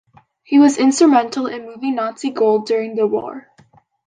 He was instrumental in moving Nazi gold during the war.